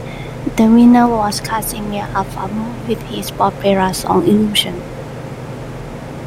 The winner was Krassimir Avramov with his "Popera" song Illusion.